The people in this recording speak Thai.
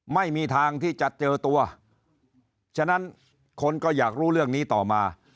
ไม่มีทางที่จะเจอตัวฉะนั้นคนก็อยากรู้เรื่องนี้ต่อมา